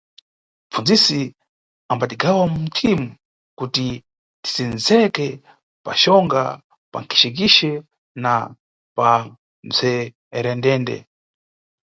Mʼpfundzisi ambatigawa mʼmathimu kuti tisendzeke paxonga, pankixekixe na pamʼpsherendende.